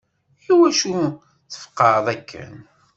Iwacu tfeqeɛeḍ akken?